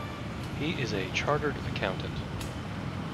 He is a chartered accountant.